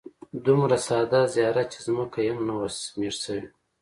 دومره ساده زیارت چې ځمکه یې هم نه وه سیمټ شوې.